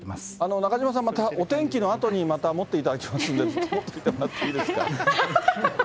なかじまさん、またお天気のあとに、また持っていただきますんで、ずっと持ってもらってていいですか。